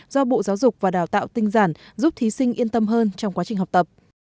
do bộ giáo dục và đào tạo tinh giản giúp thí sinh yên tâm hơn trong quá trình học tập